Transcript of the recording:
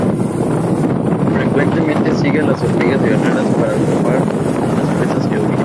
Frecuentemente sigue a las hormigas guerreras para atrapar las presas que huyen.